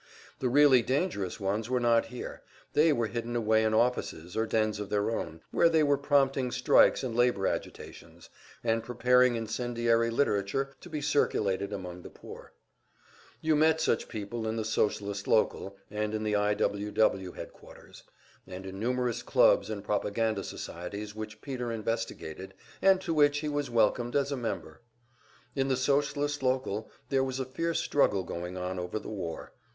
The really dangerous ones were not here; they were hidden away in offices or dens of their own, where they were prompting strikes and labor agitations, and preparing incendiary literature to be circulated among the poor. You met such people in the Socialist local, and in the I. W. W. headquarters, and in numerous clubs and propaganda societies which Peter investigated, and to which he was welcomed as a member. In the Socialist local there was a fierce struggle going on over the war.